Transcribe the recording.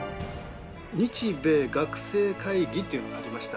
日米学生会議っていうのがありました。